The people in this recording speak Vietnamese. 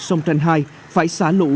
sông tranh hai phải xả lũ